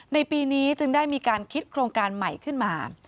ในปีนี้จึงได้มีการคิดโครงการใหม่ขึ้นมา